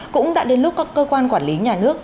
cũng đã đến lúc các cơ quan quản lý nhà nước